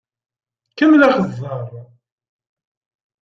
Kemmel axeẓẓeṛ!